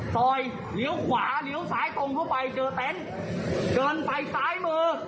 ซอยเลี้ยวขวาเลี้ยวซ้ายตรงเข้าไปเจอเต็นต์เดินไปซ้ายมือ